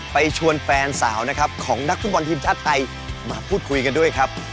ชวนแฟนสาวนะครับของนักฟุตบอลทีมชาติไทยมาพูดคุยกันด้วยครับ